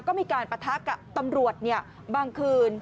ก็มีการปะทะกับตำรวจบางคืน